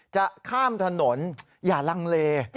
จะข้ามถนนอย่าลังเล